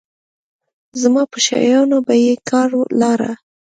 زما په شيانو به يې کار لاره.